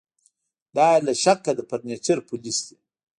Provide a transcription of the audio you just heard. دا بې له شکه د فرنیچر پولیس دي